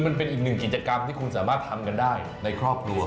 มันเป็นอีกหนึ่งกิจกรรมที่คุณสามารถทำกันได้ในครอบครัว